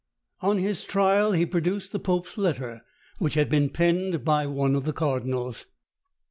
On his trial he produced the pope's letter, which had been penned by one of the cardinals.